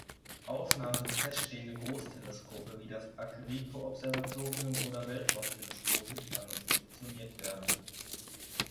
Ausnahmen sind feststehende Großteleskope wie das Arecibo-Observatorium oder Weltraumteleskope, die anders positioniert werden.